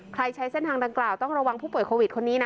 ใช้เส้นทางดังกล่าวต้องระวังผู้ป่วยโควิดคนนี้นะ